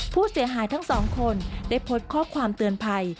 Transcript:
ผู้เสียหายทั้งสองคนได้โพสต์ข้อความเตือนภัย